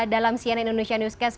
dalam cnn indonesia newscast